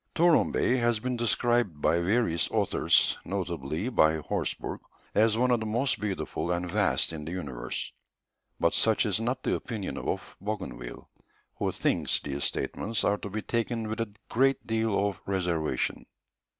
Touron Bay has been described by various authors, notably by Horsburgh, as one of the most beautiful and vast in the universe; but such is not the opinion of Bougainville, who thinks these statements are to be taken with a great deal of reservation.